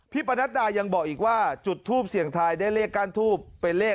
ปนัดดายังบอกอีกว่าจุดทูปเสี่ยงทายได้เลขก้านทูบเป็นเลข